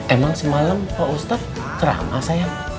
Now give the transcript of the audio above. emang semalam pak ustaz keramah sayang